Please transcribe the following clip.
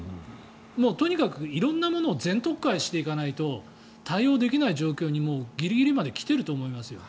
とにかく色んなものを全取っ換えしていかないと対応できない状況のギリギリまで来ていると思いますよ。